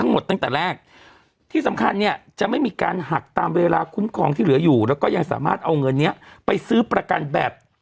ให้เขาเหนือกว่าได้ครับ